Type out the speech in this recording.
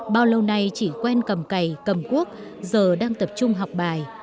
bao lâu nay chỉ quen cầm cày cầm cuốc giờ đang tập trung học bài